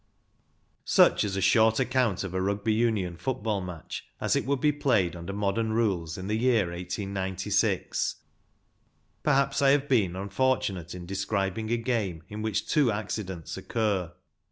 Such is a short account of a Rugby Union football match as it would be played under modern rules in the year 1896. Perhaps I have been unfortunate in describing a game in which two accidents occur.